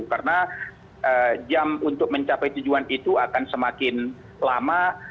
karena jam untuk mencapai tujuan itu akan semakin lama